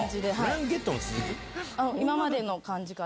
今までの感じ。